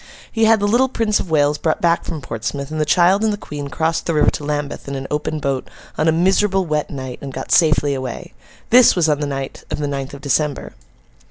He had the little Prince of Wales brought back from Portsmouth; and the child and the Queen crossed the river to Lambeth in an open boat, on a miserable wet night, and got safely away. This was on the night of the ninth of December.